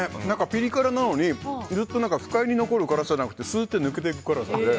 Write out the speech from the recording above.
ピリ辛なのにずっと不快に残る辛さじゃなくてスーッと抜けていく辛さで。